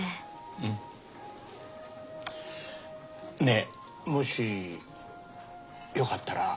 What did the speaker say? うん。ねぇもしよかったら。